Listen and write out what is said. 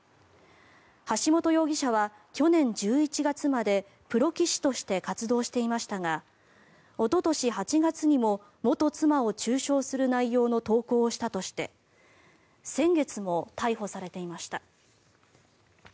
橋本容疑者は去年１１月までプロ棋士として活動していましたがおととし８月にも元妻を中傷する内容の投稿をしたとして先月も逮捕されていました。